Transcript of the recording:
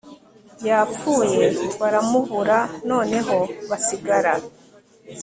yapfuye baramubura noneho basigara